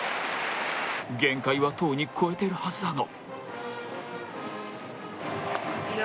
限界はとうに超えてるはずだが